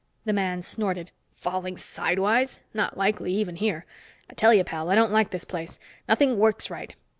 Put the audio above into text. The man snorted. "Falling sidewise? Not likely, even here. I tell you, pal, I don't like this place. Nothing works right.